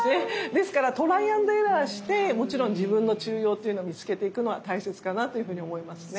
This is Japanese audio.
ですからトライアンドエラーしてもちろん自分の中庸っていうのを見つけていくのは大切かなというふうに思いますね。